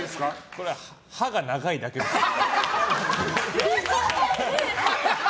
これは歯が長いだけですね。